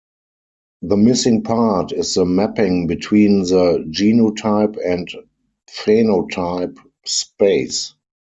The missing part is the mapping between the genotype and phenotype space.